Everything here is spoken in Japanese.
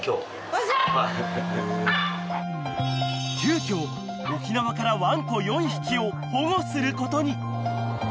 ［急きょ沖縄からワンコ４匹を保護することに］